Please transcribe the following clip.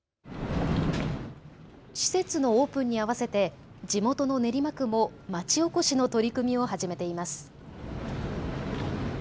施設のオープンに合わせて地元の練馬区もまちおこしの取り組みを始めています。